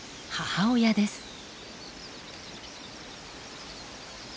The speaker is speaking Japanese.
母親です。